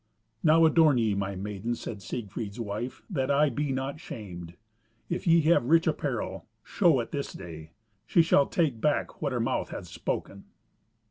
"Now adorn ye, my maidens," said Siegfried's wife, "that I be not shamed. If ye have rich apparel, show it this day. She shall take back what her mouth hath spoken."